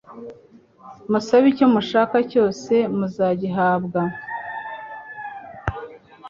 musabe icyo mushaka cyose mvzagihabwa.»